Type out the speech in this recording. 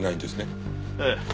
ええ。